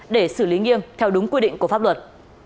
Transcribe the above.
để xử lý nghiêm theo đúng quy định của pháp luật